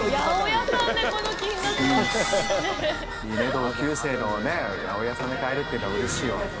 同級生のね八百屋さんで買えるっていうのはうれしいわ。